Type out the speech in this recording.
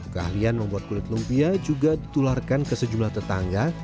keahlian membuat kulit lumpia juga ditularkan ke sejumlah tetangga